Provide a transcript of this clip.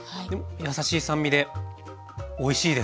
やさしい酸味でおいしいです。